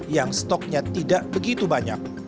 yang stoknya tidak begitu banyak